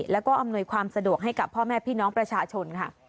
แล้วก็อำนวยความสะดวกให้กับพ่อแม่พี่น้องประชาชนค่ะ